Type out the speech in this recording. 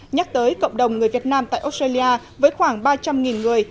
nhắc tới cộng đồng người việt nam tại australia với khoảng ba trăm linh người